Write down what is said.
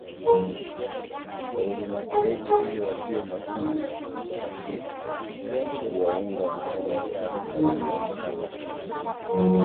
kwa wenye magereji ili wajue madhumuni ya mtafiti kuwaunga mkono kazini kama fundi